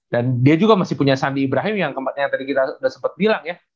dan dia juga masih punya sandi ibrahim yang tadi kita udah sempet bilang ya